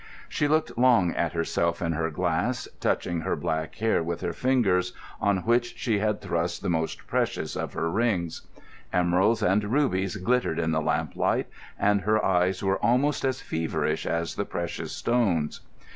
She looked long at herself in her glass, touching her black hair with her fingers, on which she had thrust the most precious of her rings. Emeralds and rubies glittered in the lamplight, and her eyes were almost as feverish as the precious stones.